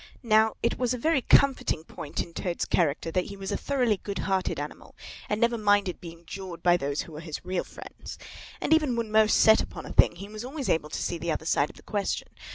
Now, it was a very comforting point in Toad's character that he was a thoroughly good hearted animal and never minded being jawed by those who were his real friends. And even when most set upon a thing, he was always able to see the other side of the question.